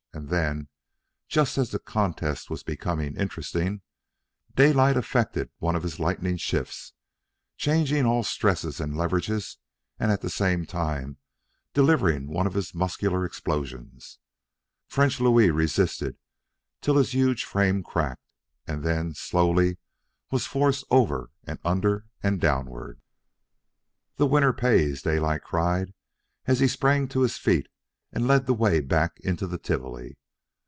And then, just as the contest was becoming interesting, Daylight effected one of his lightning shifts, changing all stresses and leverages and at the same time delivering one of his muscular explosions. French Louis resisted till his huge frame crackled, and then, slowly, was forced over and under and downward. "The winner pays!" Daylight cried; as he sprang to his feet and led the way back into the Tivoli.